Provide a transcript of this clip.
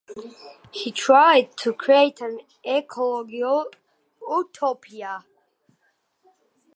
He tried to create an ecological utopia.